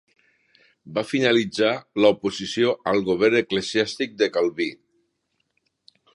Va finalitzar l'oposició al govern eclesiàstic de Calví.